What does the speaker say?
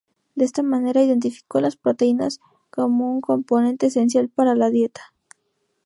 De esta manera identificó las proteínas como un componente esencial para la dieta.